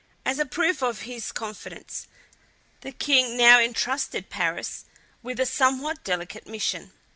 As a proof of his confidence, the king now intrusted Paris with a somewhat delicate mission.